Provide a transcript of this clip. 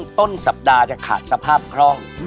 ต้นสัปดาห์จะขาดสภาพคล่อง